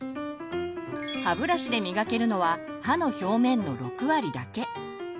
歯ブラシで磨けるのは歯の表面の６割だけ。